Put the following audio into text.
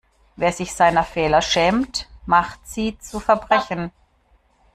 Wer sich seiner Fehler schämt, macht sie zu Verbrechen.